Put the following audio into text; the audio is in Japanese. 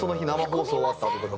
放送終わったあととか。